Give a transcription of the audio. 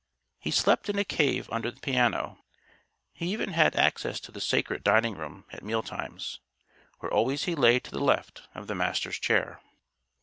He slept in a "cave" under the piano. He even had access to the sacred dining room, at mealtimes where always he lay to the left of the Master's chair.